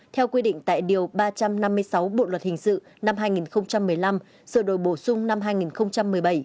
theo quy định tại điều ba trăm năm mươi sáu bộ luật hình sự năm hai nghìn một mươi năm sửa đổi bổ sung năm hai nghìn một mươi bảy